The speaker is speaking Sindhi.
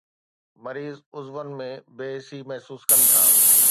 مريض عضون ۾ بي حسي محسوس ڪن ٿا